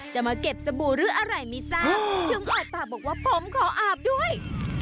จะมาเก็บสบู่หรืออะไรไม่ทราบถึงเอ่ยปากบอกว่าผมขออาบด้วย